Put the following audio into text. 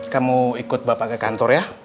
kamu ikut bapak ke kantor ya